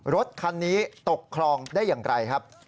รถคันนี้ตกคลองได้อย่างไรครับ